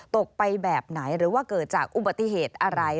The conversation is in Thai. ตกไปแบบไหนหรือว่าเกิดจากอุบัติเหตุอะไร